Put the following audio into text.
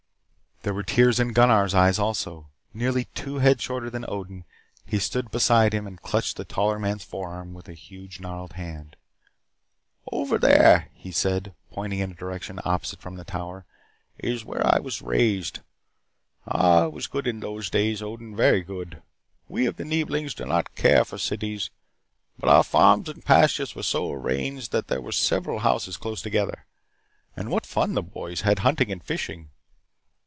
There were tears in Gunnar's eyes also. Nearly two heads shorter than Odin, he stood beside him and clutched the taller man's forearm with a huge, gnarled hand. "Over there," he said, pointing in a direction opposite from the Tower, "is where I was raised. Ah, it was good in those days, Odin. Very good. We of the Neeblings do not care for cities, but our farms and pastures were so arranged that there were several houses close together. And what fun the boys had hunting and fishing.